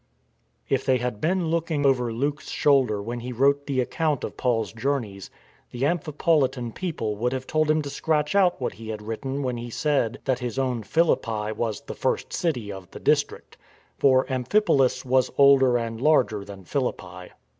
If they had been look ing over Luke's shoulder when he wrote the account of Paul's journeys, the Amphipolitan people would have told him to scratch out what he had written when he said that his own Philippi was " the first city of the district." For Amphipolis was older and larger than Philippi.